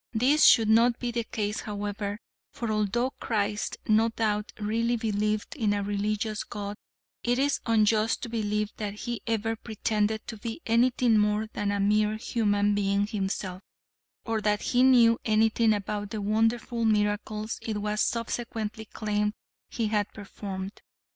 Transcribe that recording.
This should not be the case however, for although Christ no doubt really believed in a religious god, it is unjust to believe that he ever pretended to be anything more than a mere human being himself, or that he knew anything about the wonderful miracles it was subsequently claimed he had performed.